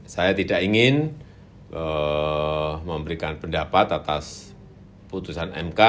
saya tidak ingin memberikan pendapat atas putusan mk